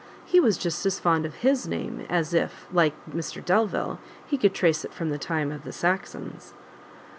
He was just as fond of his name, as if, like Mr Delvile, he could trace it from the time of the Saxons."